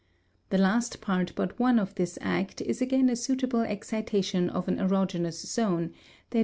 The last part but one of this act is again a suitable excitation of an erogenous zone; _i.